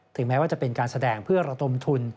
แม้ว่าจะเป็นการแสดงเพื่อระดมทุน